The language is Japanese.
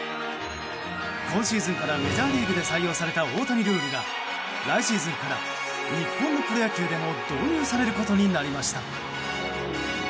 今シーズンからメジャーリーグで採用された大谷ルールが、来シーズンから日本のプロ野球でも導入されることになりました。